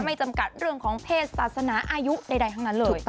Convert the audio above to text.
จำกัดเรื่องของเพศศาสนาอายุใดทั้งนั้นเลย